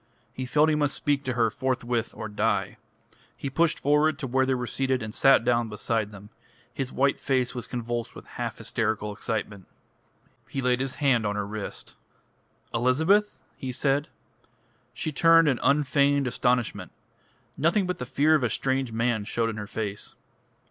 He felt he must speak to her forthwith, or die. He pushed forward to where they were seated, and sat down beside them. His white face was convulsed with half hysterical excitement. He laid his hand on her wrist. "Elizabeth?" he said. She turned in unfeigned astonishment. Nothing but the fear of a strange man showed in her face.